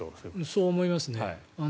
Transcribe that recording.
そう思いますね。